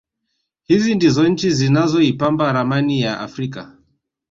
Hizi ndizo nchi zinazoipamba ramani ya Afrika